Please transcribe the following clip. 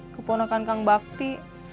keponakan kang bakti